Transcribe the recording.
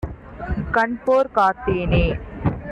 கண்போற் காத்தேனே...